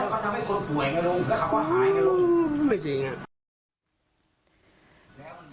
โอ้โหไม่ตรงนี้